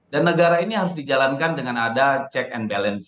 dan negara ini harus dijalankan dengan ada check and balances